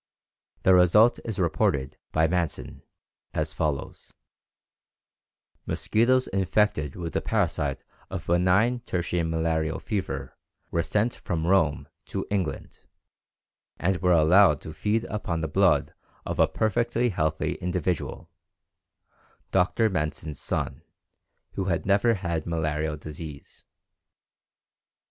The result is reported by Manson, as follows: "Mosquitoes infected with the parasite of benign tertian malarial fever were sent from Rome to England, and were allowed to feed upon the blood of a perfectly healthy individual (Dr. Manson's son, who had never had malarial disease).